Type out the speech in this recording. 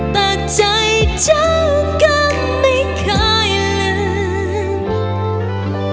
แต่ใจฉันก็ไม่เคยลืม